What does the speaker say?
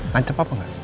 ngancam papa gak